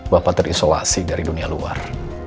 bapak terisolasi dari dunia luar